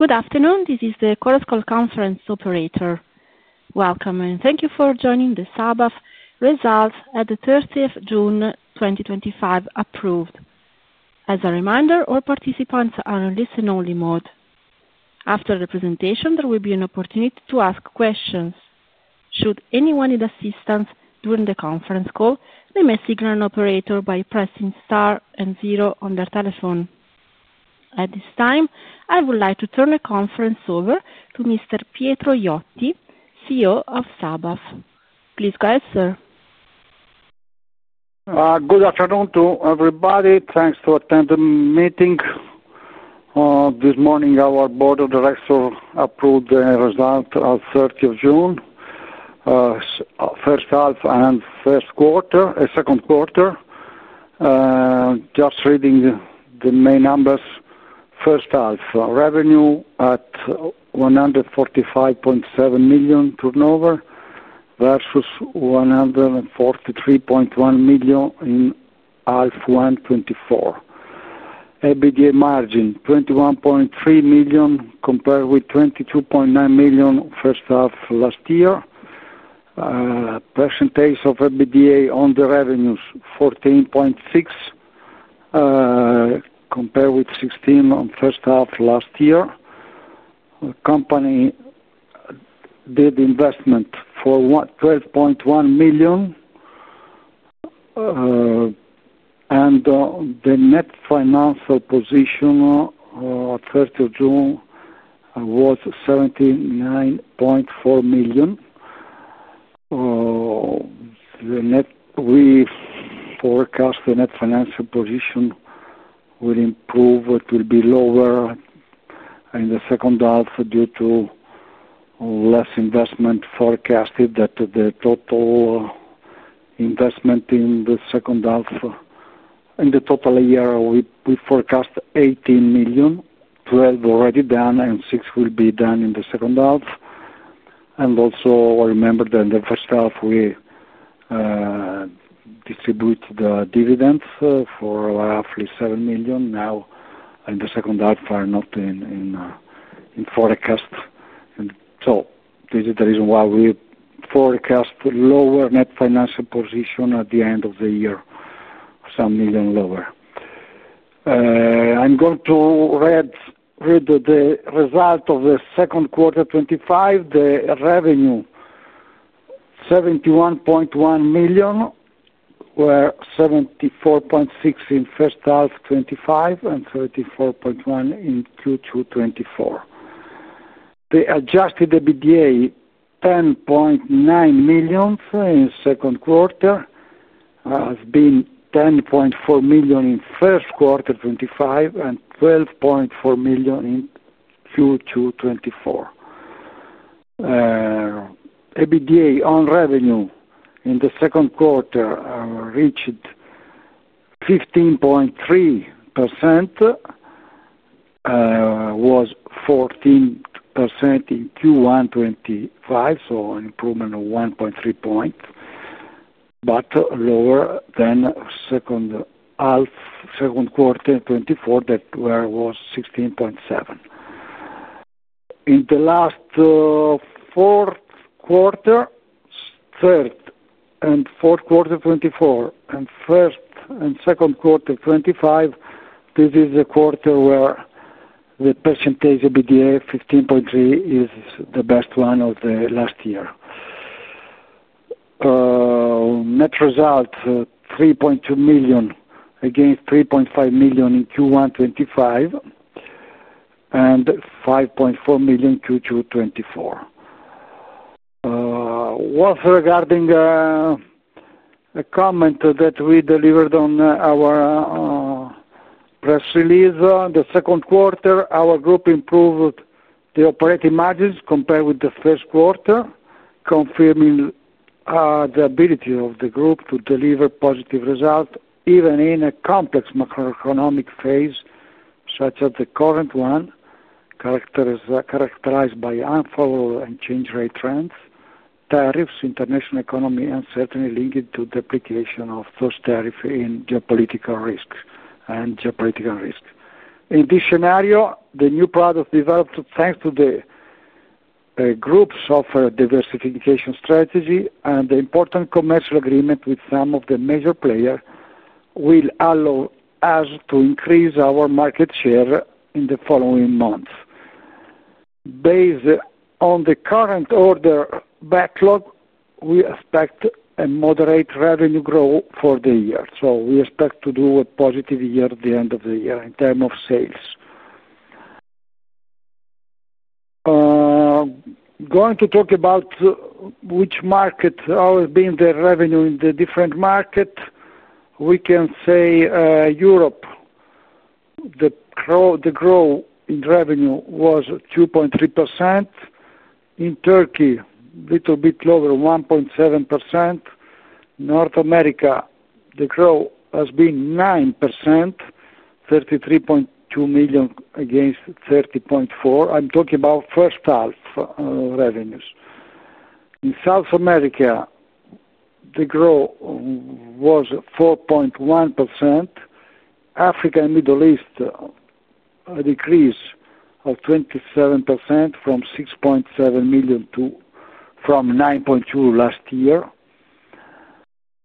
Good afternoon. This is the Chorus Call conference operator. Welcome and thank you for joining the SabaF Results at the thirtieth June twenty twenty five approved. As a reminder, all participants are in a listen only mode. After the presentation, there will be an opportunity to ask questions. At this time, I would like to turn the conference over to Mr. Pietro Yotti, CEO of Sabah. Please go ahead, sir. Good afternoon to everybody. Thanks for attending the meeting. This morning, our Board of Directors approved the result of June 30, first half and first quarter second quarter. Just reading the main numbers. First half, revenue at $145,700,000 turnover versus $143,100,000 in half one hundred twenty four. EBITDA margin, dollars 21,300,000.0 compared with $22,900,000 first half last year. Percentage of EBITDA on the revenues, 14.6% compared with 16% on first half last year. Company did investment for 12,100,000.0 And net financial position, June 1, was $79,400,000 The net we forecast the net financial position will improve. It will be lower in the second half due to less investment forecasted that the total investment in the second half in the total year, we forecast €18,000,000 12,000,000 already done and 6,000,000 will be done in the second half. And also, remember that in the first half, we distribute the dividend for roughly $7,000,000 Now in the second half are not in forecast. And so this is the reason why we forecast lower net financial position at the end of the year, some million lower. I'm going to read the result of the second quarter twenty five. The revenue, 71,100,000.0 were $74,600,000 in first half twenty twenty five and $34,100,000 in Q2 twenty twenty four. The adjusted EBITDA, 10,900,000.0 in second quarter, has been $10,400,000 in first quarter twenty twenty five and $12,400,000 in Q2 twenty twenty four. EBITDA on revenue in the second quarter reached 15.3%, was 14% in Q1 twenty twenty five, so an improvement of 1.3 points, but lower than second half, second quarter twenty four, that where it was 16.7. In the last fourth quarter, third and fourth quarter twenty four, and first and second quarter, twenty five. This is a quarter where the percentage EBITDA, 15.3%, is the best one of the last year. Net result, 3,200,000 Again, 3,500,000 in q one twenty five and five point April q two twenty four. What's regarding a comment that we delivered on our press release. The second quarter, our group improved the operating margins compared with the first quarter, confirming the ability of the group to deliver positive result even in a complex macroeconomic phase such as the current one characterized by unfavorable and change rate trends, tariffs, international economy, and certainly linked to depreciation of those tariffs in geopolitical risk. In this scenario, the new product developed thanks to the group's offer diversification strategy and the important commercial agreement with some of the major player will allow us to increase our market share in the following months. Based on the current order backlog, we expect a moderate revenue growth for the year. So we expect to do a positive year at the end of the year in term of sales. Going to talk about which market has been the revenue in the different market. We can say Europe. The grow in revenue was 2.3%. In Turkey, little bit lower, 1.7%. North America, the growth has been 9%, 33,200,000.0 against 30,400,000.0. I'm talking about first half revenues. In South America, the growth was 4.1%. Africa and Middle East, a decrease of 27 from 6,700,000 to from 9,200,000 last year.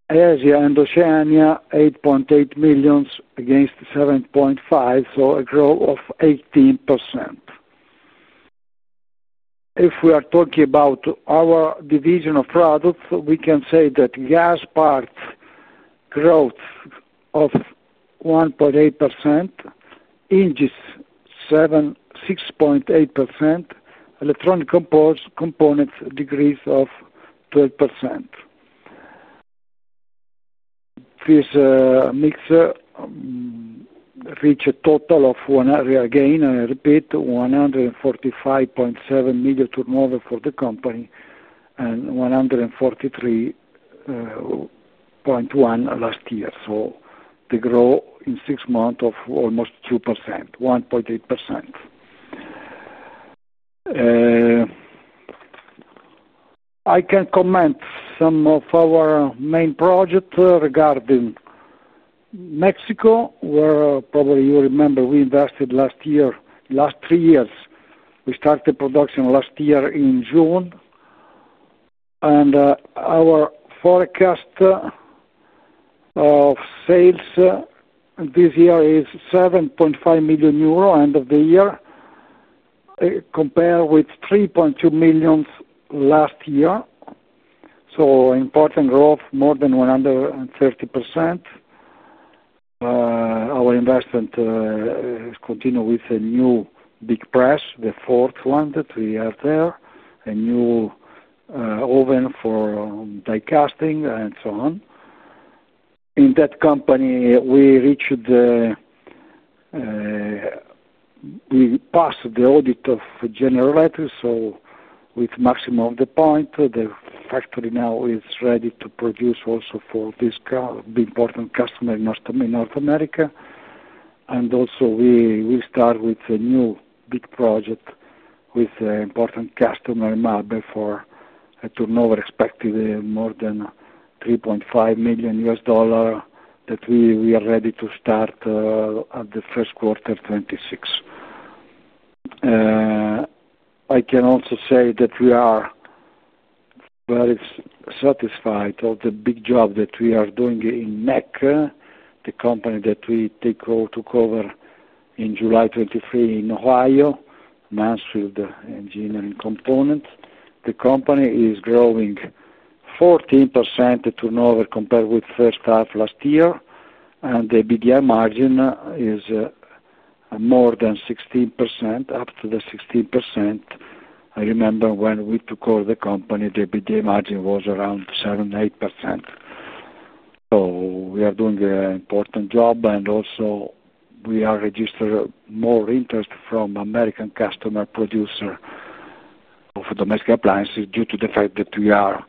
Asia and Oceania, 8,800,000 against 7,500,000.0, so a growth of 18%. If we are talking about our division of products, we can say that gas parts growth of 1.8, inches seven 6.8%, electronic compose components degrees of 12%. This mix reached a total of one area gain, and I repeat, 145,700,000.0 turnover for the company and 143.1 last year. So the growth in six months of almost 2%, 1.8%. I can comment some of our main project regarding Mexico where, probably you remember, we invested last year last three years. We started production last year in June. And our forecast of sales this year is 7,500,000.0 euro end of the year compared with 3,200,000.0 last year. So important growth, more than 130%. Our investment has continued with a new big press, the fourth one that we have there, a new, oven for, die casting and so on. In that company, we reached we passed the audit of general letters. So with maximum of the point, the factory now is ready to produce also for this car, the important customer in North America. And also, we we start with a new big project with important customer in mobile for to know we're expecting more than 3,500,000.0 US dollar that we we are ready to start, at the first quarter twenty six. I can also say that we are very satisfied of the big job that we are doing in Mecca, the company that we take to cover in July 23 in Ohio, Mansfield Engineering Components. The company is growing 14% to an over compared with first half last year, And the EBITDA margin is more than 16%, up to the 16. I remember when we took over the company, the EBITDA margin was around 7%, 8%. So we are doing an important job, and also we are registered more interest from American customer producer of domestic appliances due to the fact that we are,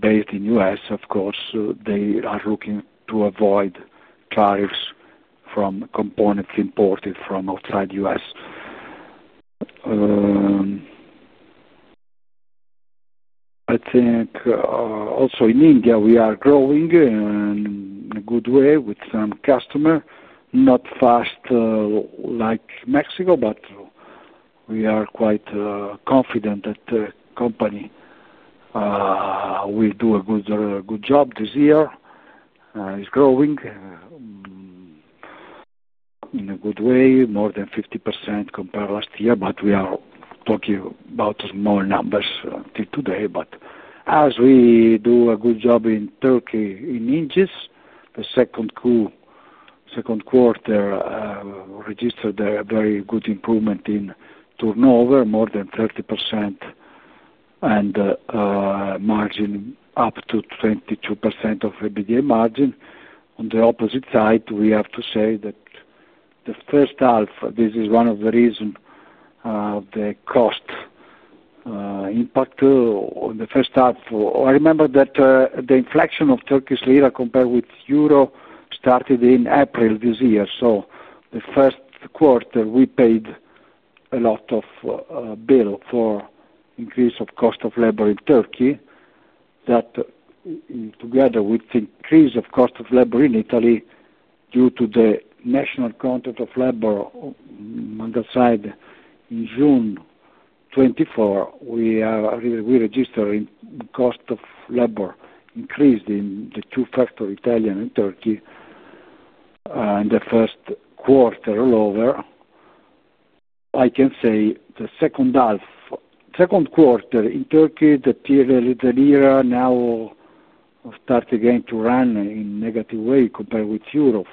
based in US. Of course, they are looking to avoid tariffs from components imported from outside US. I think, also, in India, we are growing in a good way with some customer, not fast like Mexico, but we are quite confident that the company will do a good good job this year. It's growing in a good way, more than 50% compared last year, but we are talking about small numbers till today. But as we do a good job in Turkey in inches, the second quarter registered a very good improvement in turnover, more than 30% and margin up to 22% of EBITDA margin. On the opposite side, we have to say that the first half, this is one of the reason the cost impact on the first half. Remember that the inflection of Turkish lira compared with euro started in April. So the first quarter, we paid a lot of bill for increase of cost of labor in Turkey that together with increase of cost of labor in Italy due to the national contract of labor on the side in June 24, we are we we registered in cost of labor increased in the two factor, Italian and Turkey, in the first quarter lower. I can say the second half second quarter in Turkey, the period a little bit now start again to run-in negative way compared with euro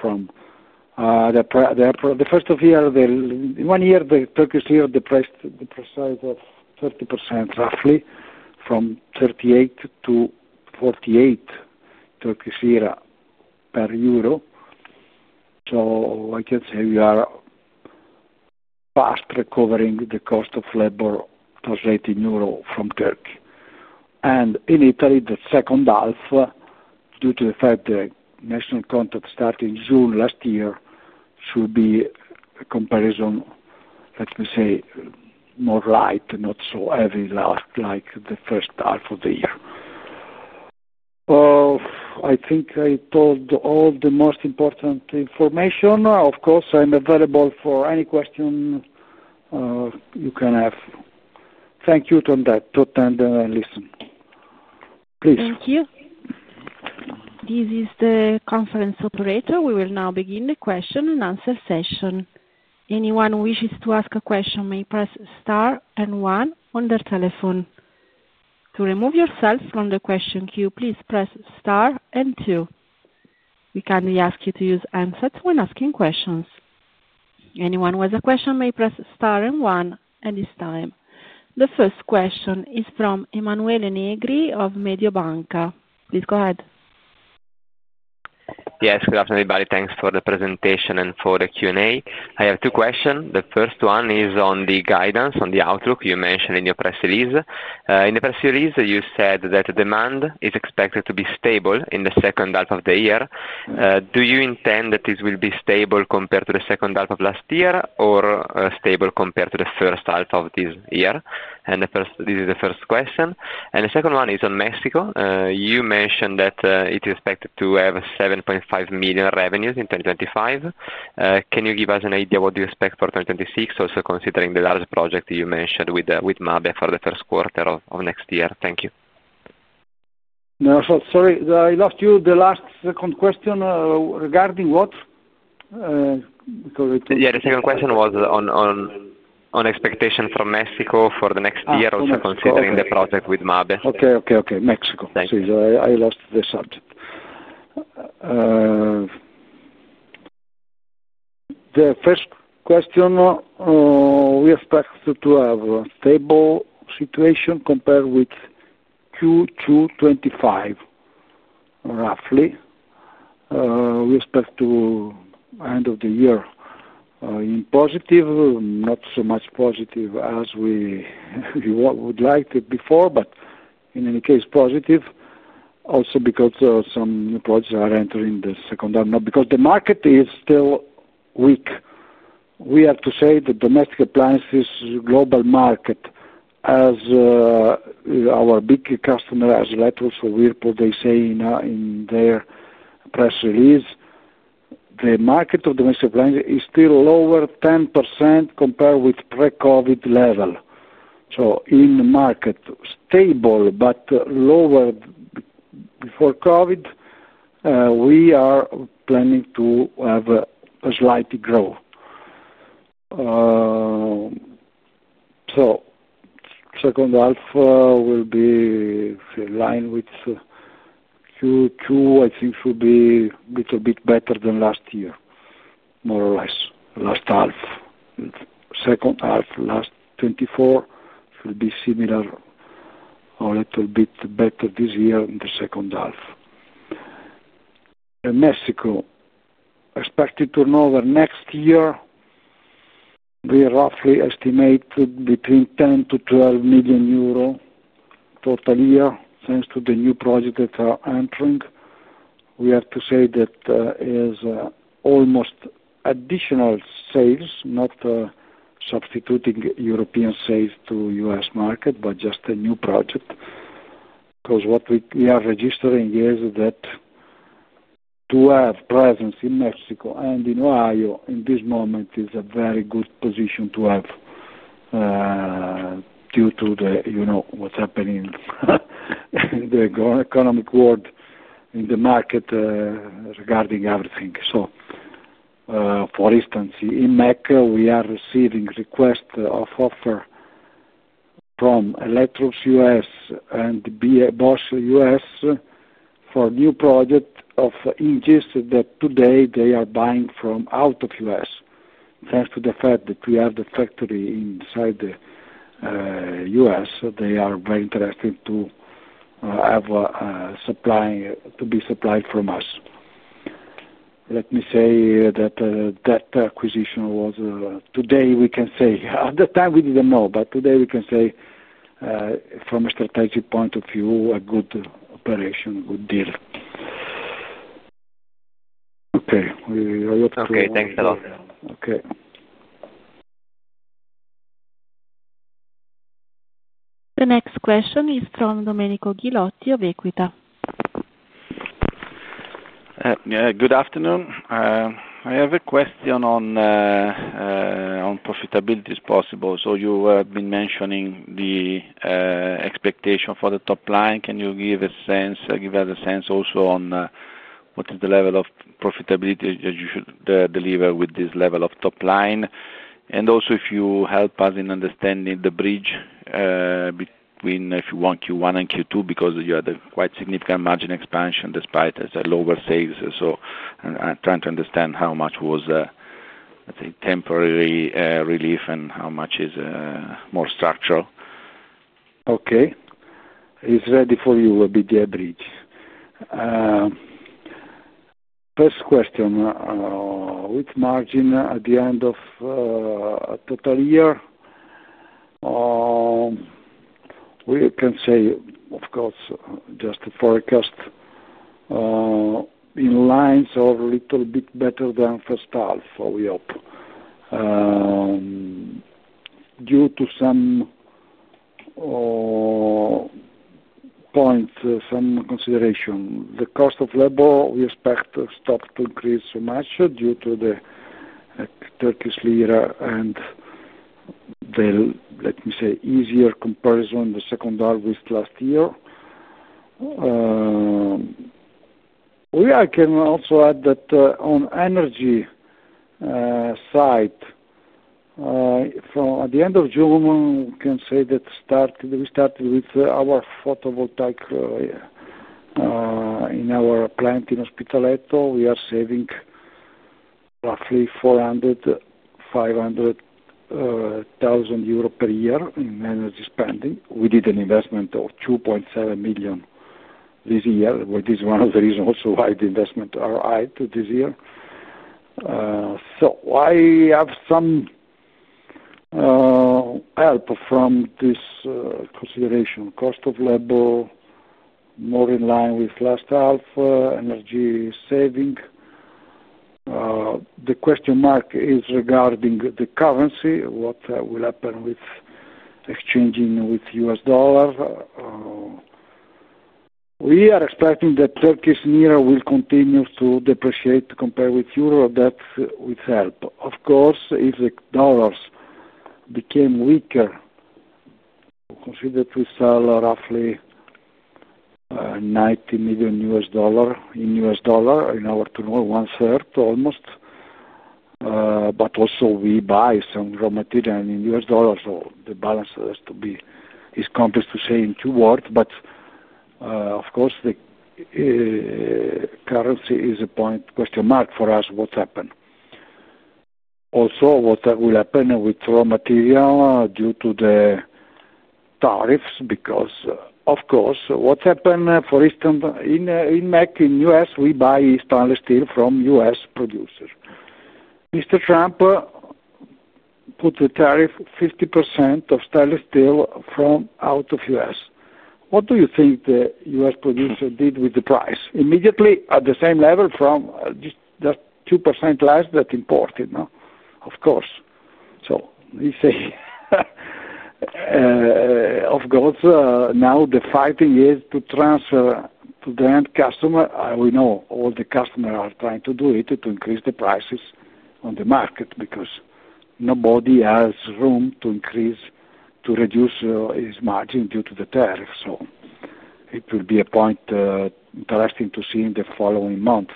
from the the the first of year, the in one year, the Turkish lira depressed depressed side of 30% roughly from 38 to 48 Turkish lira per euro. So I can say we are fast recovering the cost of labor, plus €18 from Turkey. And in Italy, the second half, due to the fact that national contract started in June, should be a comparison, let me say, more right, not so every last like the first half of the year. I think I told all the most important information. Of course, I'm available for any question you can have. Thank you to attend and listen. Please. Thank you. This is the conference operator. We will now begin the question and answer session. The first question is from Emmanuel Negri of Mediobanca. Please go ahead. Yes. Good afternoon, everybody. Thanks for the presentation and for the Q and A. I have two questions. The first one is on the guidance, on the outlook you mentioned in your press release. In the press release, you said that demand is expected to be stable in the second half of the year. Do you intend that this will be stable compared to the second half of last year or stable compared to the first half of this year? And the first this is the first question. And the second one is on Mexico. You mentioned that it is expected to have $7,500,000 revenues in 2025. Can you give us an idea what do you expect for 2026 also considering the large project that you mentioned with Mabe for the first quarter of next year? Thank you. No. So sorry. I lost you the last second question regarding what? Because it The other second question was on on on expectation from Mexico for the next year, also considering the project with Mabe. Okay. Okay. Okay. Mexico. Thanks. So I I lost the subject. The first question, we expect to to have a stable situation compared with Q2 twenty five roughly. We expect to end of the year in positive, not so much positive as we would like to before, but in any case, also because some new projects are entering the second term. Now because the market is still weak, we have to say the domestic appliances global market as our big customer has let us know we're they're saying in their press release. The market of domestic appliance is still lower 10% compared with pre COVID level. So in the market, stable but lower before COVID, we are planning to have a slight growth. So second half will be in line with q two, I think, should be a little bit better than last year, more or less. Last half. Second half, last '24 should be similar or a little bit better this year in the second half. In Mexico, expected turnover next year, We roughly estimate between €10,000,000 to €12,000,000 total year, thanks to the new project that are entering. We have to say that is almost additional sales, not substituting European sales to US market, but just a new project. Because what we we are registering is that to have presence in Mexico and in Ohio, in this moment, is a very good position to have due to the, you know, what's happening in the economic world in the market regarding everything. So, for instance, in Mecca, we are receiving request of offer from Electrolux US and BOSS US for new project of engines that today they are buying from out of US. Thanks to the fact that we have the factory inside The US, so they are very interested to have a supply to be supplied from us. Let me say that, that acquisition was, today, we can say. At that time, we didn't know. But today, we can say, from a strategic point of view, a good operation, good deal. We look Thanks a lot. Okay. The next question is from Domenico Gilotti of Equita. Good afternoon. I have a question on profitability as possible. So you have been mentioning the expectation for the top line. Can you give a sense give us a sense also on what is the level of profitability that you should deliver with this level of top line? And also if you help us in understanding the bridge between, if you want, Q1 and Q2 because you had a quite significant margin expansion despite the lower sales. So I'm trying to understand how much was, let's say, temporary relief and how much is more structural. Okay. It's ready for you, a BDI bridge. First question, with margin at the end of total year, We can say, of course, just to forecast in lines or a little bit better than first half, we hope, due to some point, some consideration. The cost of labor, we expect stock to increase so much due to the Turkish lira and the, let me say, easier comparison in the second half with last year. We I can also add that on energy side, At the June, we can say that start we started with our photovoltaic in our plant in Ospitalletto. We are saving roughly $405,100,000 euro per year in energy spending. We did an investment of 2,700,000.0 this year, which is one of the reasons why the investment arrived this year. So I have some help from this consideration. Cost of level, more in line with last half, energy saving. The question mark is regarding the currency, what will happen with exchanging with U. S. Dollar. We are expecting that Turkish lira will continue depreciate compared with euro. That's with help. Of course, if the dollars became weaker, we consider to sell roughly 90,000,000 US dollar in US dollar in our to know one third almost. But also, we buy some raw material in US dollar, so the balance has to be is complex to say in two words. But, of course, the currency is a point question mark for us what happened. Also, what will happen with raw material due to the tariffs because, of course, what happened, for instance, MEC in US, we buy stainless steel from US producers. Mr. Trump put the tariff 50% of stainless steel from out of US. What do you think The US producer did with the price? Immediately, at the same level from just just 2% less that imported. No? Of course. So we say, of course, now the fighting is to transfer to the end customer. We know all the customer are trying to do it to increase the prices on the market because nobody has room to increase to reduce its margin due to the tariff. So it will be a point interesting to see in the following month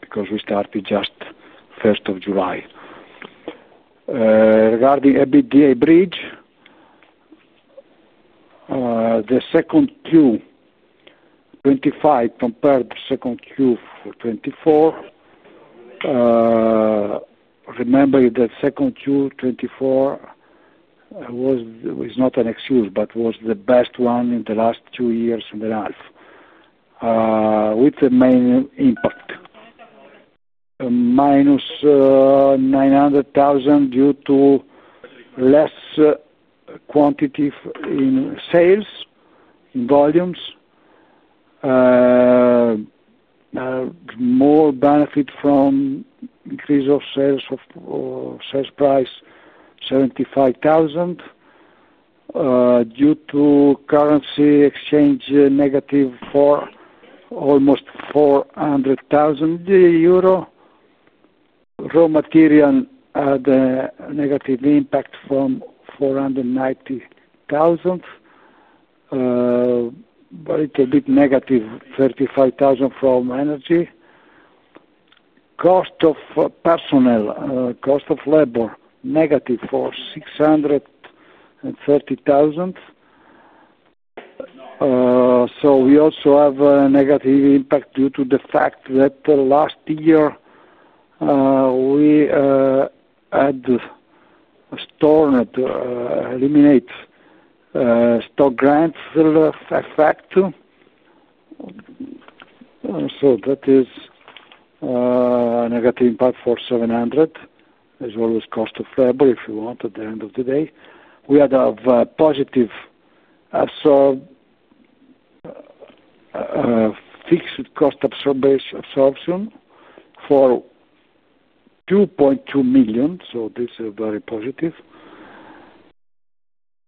because we started just July 1. Regarding EBITDA bridge, the second Q, twenty five compared to second Q for '24. Remember that second Q, twenty four was was not an excuse, but was the best one in the last two years in the half, with the main impact, minus 900,000 due to less quantitative in sales volumes, more benefit from increase of sales of sales price, 75,000, due to currency exchange negative for almost €400,000 Raw material had a negative impact from 490,000, but it's bit negative, 5,000 from energy. Cost of personnel, cost of labor, negative for 630,000. So we also have a negative impact due to the fact that last year, we had a store to eliminate stock grants, the effect. So that is a negative impact for 700,000,000 as well as cost of labor, if you want, at the end of the day. We had a positive fixed cost absorption for $2,200,000 so this is very positive.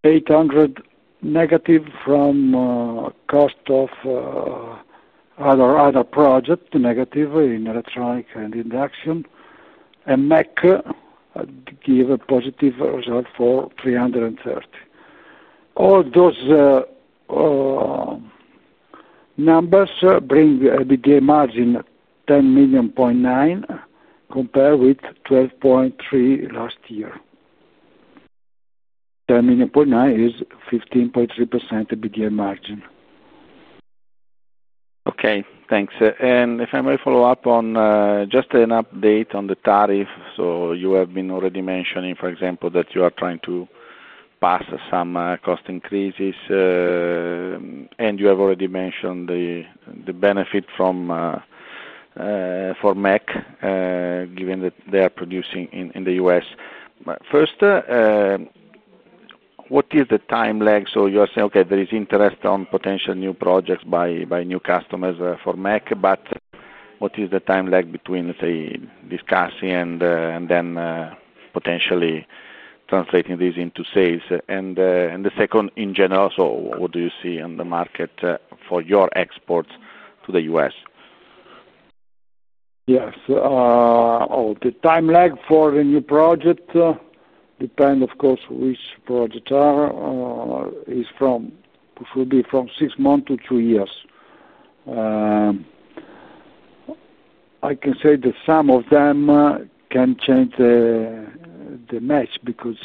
Dollars 800,000,000 negative from cost of other project, negative in electronic and induction. Induction. And MEK gave a positive result for EUR $330,000,000. All those numbers bring the EBITDA margin 10.9 compared with 12,300,000.0 last year. 10,900,000.0 is 15.3 EBITDA margin. Okay. And if I may follow-up on just an update on the tariff. So you have been already mentioning, for example, that you are trying to pass some cost increases, and you have already mentioned the benefit from for MEC given that they are producing in The U. S. First, what is the time lag? So you are saying, okay, there is interest on potential new projects by new customers for MEC, but what is the time lag between, let's say, discussing and then potentially translating this into sales? And the second, in general, so what do you see in the market for your exports to The US? Yes. Oh, the time lag for a new project depend, of course, which projects are is from it will be from six months to three years. I can say that some of them can change the match because,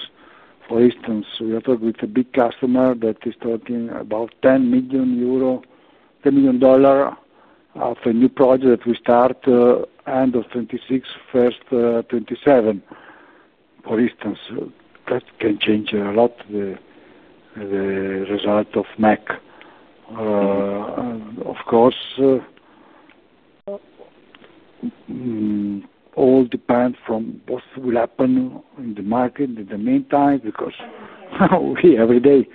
for instance, we are talking with a big customer that is talking about €10,000,000 $10,000,000 of a new project we start '26, first, '27. For instance, that can change a lot the result of MAC. And, of course, all depends from what will happen in the market in the meantime because how we every day,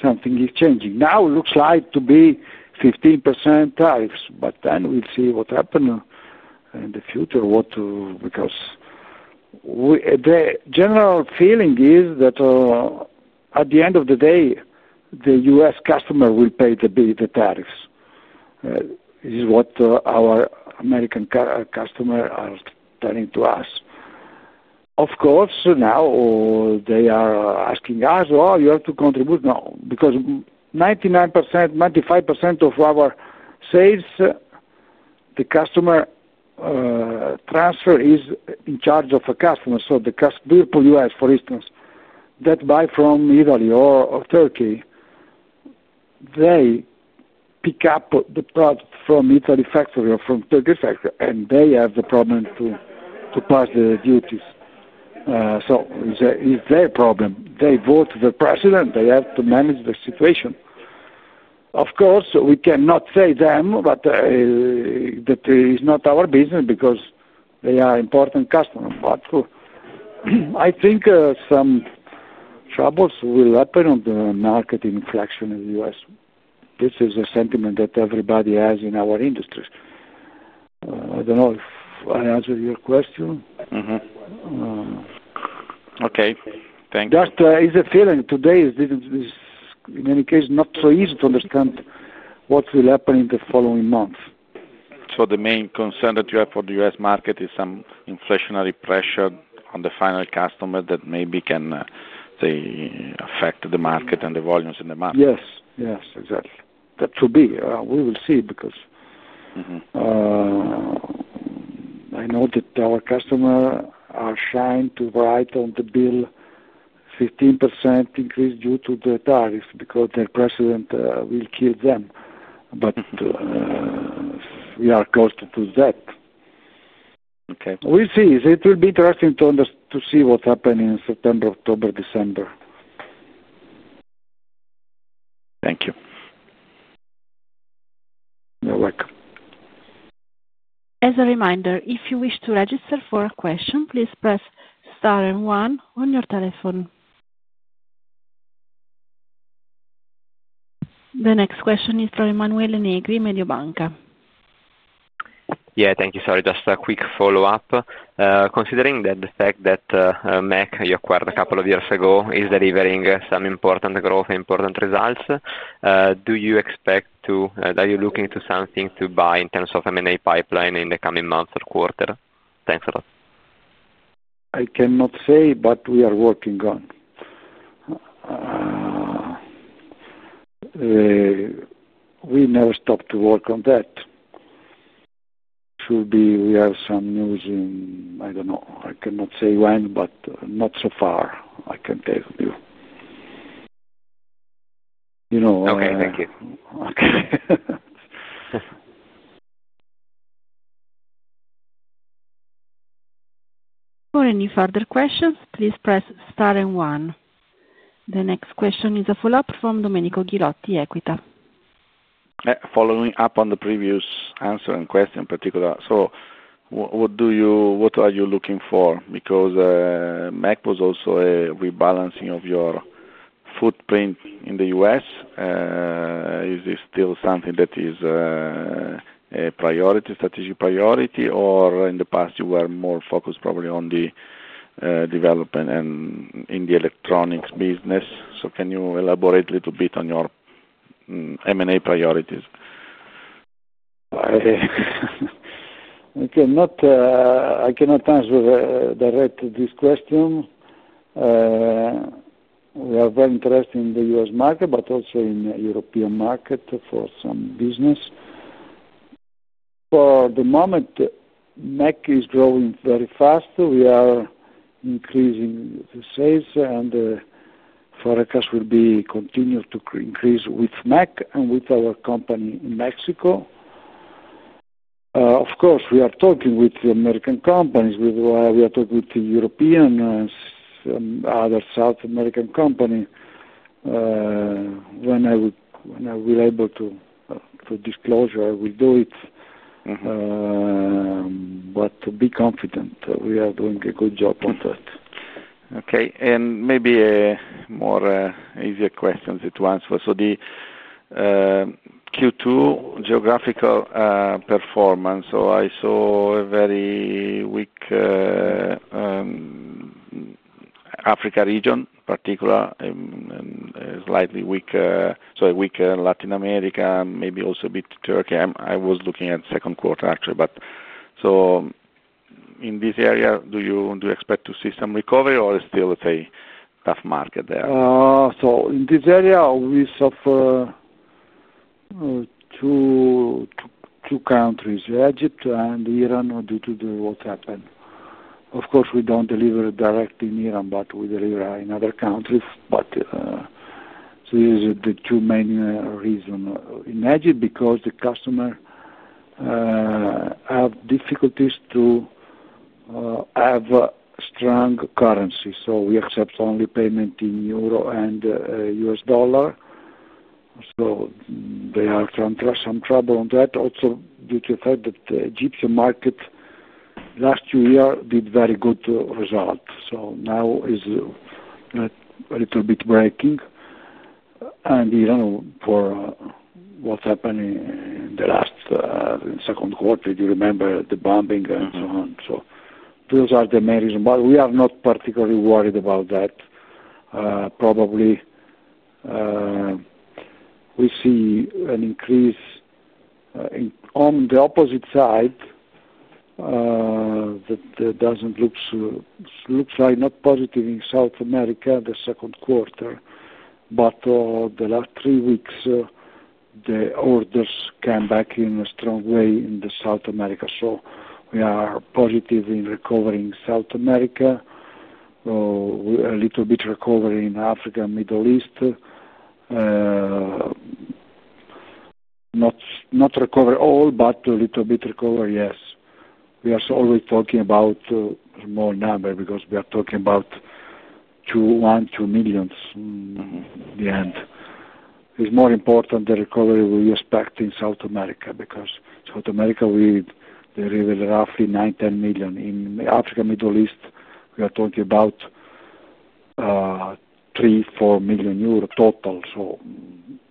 something is changing. Now it looks like to be 15% types, but then we'll see what happen in the future what to because we the general feeling is that, at the end of the day, The US customer will pay the bill the tariffs. This is what our American customer are telling to us. Of course, now they are asking us, well, you have to contribute now because 99%, 95% of our sales, the customer, transfer is in charge of a customer. So the cast for instance, that buy from Italy or or Turkey, they pick up the product from Italy factory or from Turkey factory, and they have the problem to to pass their duties. So it's it's their problem. They vote to the president. They have to manage the situation. Of course, we cannot say them, but that is not our business because they are important customer. But I think, some troubles will happen on the market inflection in The US. This is a sentiment that everybody has in our industry. I don't know if I answered your question. Mhmm. Okay. Thank you. That is a feeling today. This is this is, in any case, not so easy to understand what will happen in the following month. So the main concern that you have for The US market is some inflationary pressure on the final customer that maybe can, say, affect the market and the volumes in the market? Yes. Yes. Exactly. That should be. We will see because Mhmm. I know that our customer are trying to write on the bill 15% increase due to the tariffs because their president, will kill them. But we are close to that. Okay. We'll see. It will be interesting to under to see what happened in September, October, December. Thank you. You're welcome. The next question is from Emmanuel Enigri, Mediobanca. Thank you. Sorry, just a quick follow-up. Considering the fact that MEC you acquired a couple of years ago is delivering some important growth, important results, expect to that you're looking to something to buy in terms of M and A pipeline in the coming months or quarter? I cannot say, but we are working on. We never stopped to work on that. Should be we have some news in I don't know. I cannot say when, but not so far. I can tell you. You know Okay. Thank you. Okay. For any further questions, please press star and 1. The next question is a follow-up from Domenico Guilotti, Equita. Following up on the previous answer and question in particular, so what do you what are you looking for? Because, MEC was also a rebalancing of your footprint in The U. S. Is this still something that is a priority, strategic priority? Or in the past, you were more focused probably on the development in the electronics business. So can you elaborate a little bit on your M and A priorities? I cannot answer directly this question. We are very interested in The U. S. Market, but also in European market for some business. For the moment, MEC is growing very fast. We are increasing the sales and forecast will be continued to increase with MEC and with our company in Mexico. Of course, we are talking with the American companies. We are talking with the European other South American company. When I would when I will able to to disclosure, I will do it. Mhmm. But to be confident that we are doing a good job on that. Okay. And maybe more easier questions to answer. So the Q2 geographical performance, so I saw a very weak Africa region, particular, slightly weaker sorry, weaker Latin America, also a bit Turkey. I was looking at second quarter, actually. But so in this area, do you do you expect to see some recovery or it's still, let's say, tough market there? So in this area, we suffer two two countries, Egypt and Iran due to the what happened. Of course, we don't deliver direct in Iran, but we deliver in other countries. But so these are the two main reason. In Egypt, because the customer have difficulties to have strong currency. So we accept only payment in euro and US Dollar. So they are trying to have some trouble on that also due to the fact that the Egyptian market last year did very good result. So now it's a little bit breaking, and we don't know for what's happening in the last, second quarter, if you remember the bumping and so on. So those are the main reason, but we are not particularly worried about that. Probably, we see an increase on the opposite side that doesn't look so looks like not positive in South America in the second quarter. But the last three weeks, the orders came back in a strong way in the South America. So we are positive in recovering South America, So a little bit recovery in Africa and Middle East. Not not recover all, but a little bit recovery, yes. We are already talking about small number because we are talking about two, one, two millions in the end. It's more important the recovery we expect in South America because South America, delivered roughly nine, ten million. In Africa, Middle East, we are talking about, three, four million euro total. So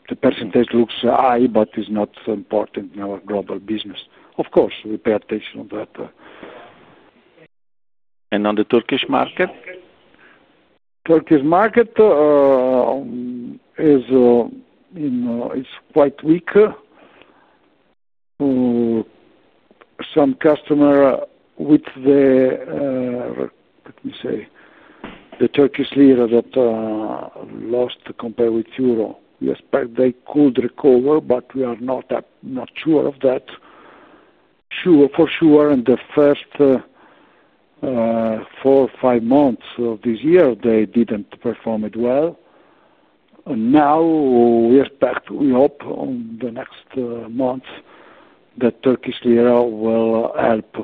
the percentage looks high, but it's not important in our global business. Of course, we pay attention on that. And on the Turkish market? Turkish market is, you know, is quite weak. Some customer with the, let me say, the Turkish lira that lost compared with euro. Yes. But they could recover, but we are not not sure of that. Sure. For sure, in the first four, five months of this year, they didn't perform it well. Now we expect we hope on the next month that Turkish lira will help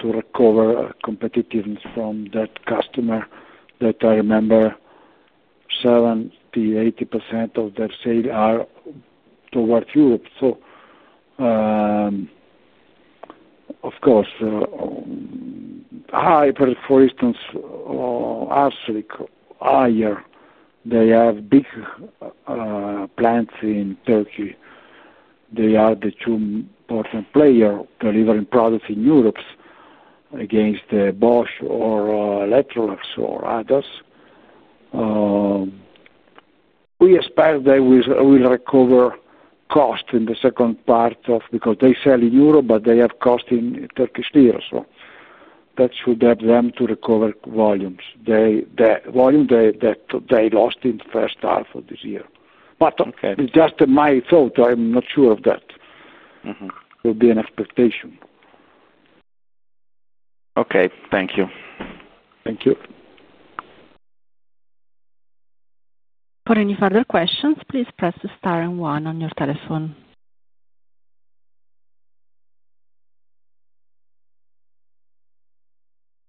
to recover competitiveness from that customer that I remember 80% of their sales are towards Europe. So, of course, high price for instance, they have big, plants in Turkey. They are the two important player delivering products in Europe against Bosch or LateralX or others. We expect that we will recover cost in the second part of because they sell in Europe, but they have cost in Turkish lira. So that should help them to recover volumes. They the volume they that they lost in the first half of this year. But Okay. It's just my thought. I'm not sure of that. Mhmm. It will be an expectation. Okay. Thank you. Thank you.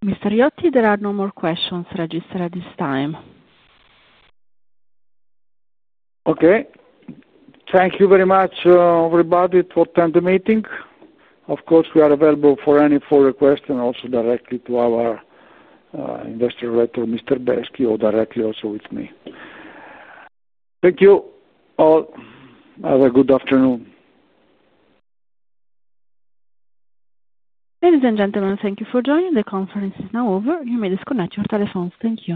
Mister Riotti, there are no more questions registered at this time. Okay. Thank you very much, everybody, for attending the meeting. Of course, we are available for any further question also directly to our Investor Director, Mr. Baeschi, or directly also with me. Thank you all. Have a good afternoon. Ladies and gentlemen, thank you for joining. The conference is now over. You may disconnect your telephones. Thank